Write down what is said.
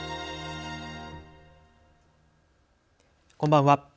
こんばんは。